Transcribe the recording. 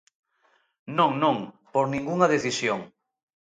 Non, non, por ningunha decisión.